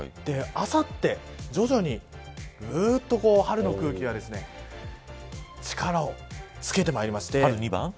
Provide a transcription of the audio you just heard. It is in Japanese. あさって、徐々にぐっと春の空気が力をつけてまいりまして。